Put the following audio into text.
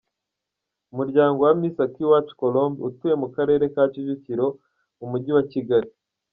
Umuryango wa Miss Akiwacu Colombe utuye mu Karere ka Kicukiro mu Mujyi wa Kigali.